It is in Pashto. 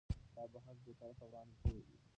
دا بحث بې طرفه وړاندې شوی دی.